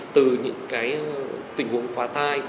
từ những cái tình huống phá thai